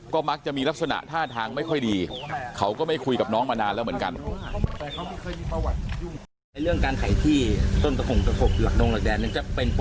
ก็มักจะมีลักษณะท่าทางไม่ค่อยดีเขาก็ไม่คุยกับน้องมานานแล้วเหมือนกัน